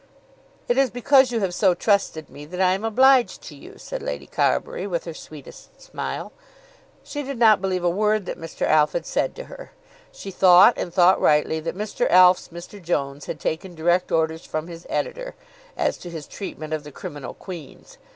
"It is because you have so trusted me that I am obliged to you," said Lady Carbury with her sweetest smile. She did not believe a word that Mr. Alf had said to her. She thought, and thought rightly, that Mr. Alf's Mr. Jones had taken direct orders from his editor, as to his treatment of the "Criminal Queens."